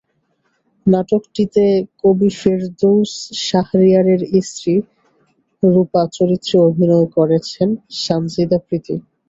নাটকটিতে কবি ফেরদৌস শাহরিয়ারের স্ত্রী রুপা চরিত্রে অভিনয় করেছেন সানজিদা প্রীতি।